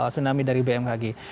tsunami dari bmkg